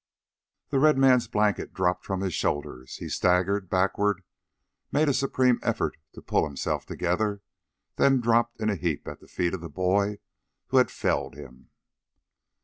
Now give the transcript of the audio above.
The red man's blanket dropped from his shoulders; he staggered backward, made a supreme effort to pull himself together, then dropped in a heap at the feet of the boy who had felled him.